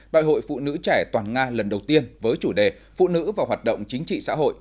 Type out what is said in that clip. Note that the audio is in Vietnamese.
đại hội phụ nữ trẻ toàn nga lần đầu tiên với chủ đề phụ nữ và hoạt động chính trị xã hội